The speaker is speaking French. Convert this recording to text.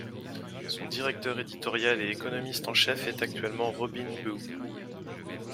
Son directeur éditorial et économiste en chef est actuellement Robin Bew.